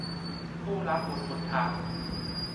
ผู้รับบุตรบุญธรรม